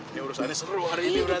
ini urusannya seru hari ini udah